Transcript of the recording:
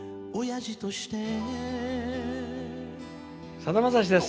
さだまさしです。